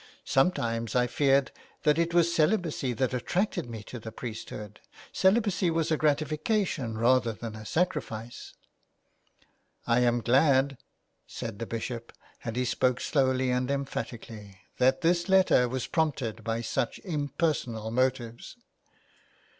Sometimes I feared that it was celibacy that attracted me to the priesthood. Celibacy was a gratification rather than a sacrifice." *' I am glad," said the Bishop, and he spoke slowly and emphatically, '' that this letter was prompted by such impersonal motives."